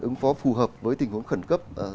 ứng phó phù hợp với tình huống khẩn cấp